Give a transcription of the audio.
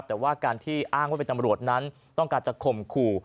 แต่ว่าการที่อ้างว่าเป็นตำรวจนั้นต้องการจะข่มขู่